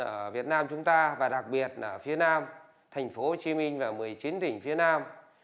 ở việt nam chúng ta và đặc biệt ở phía nam thành phố hồ chí minh và một mươi chín tỉnh phía nam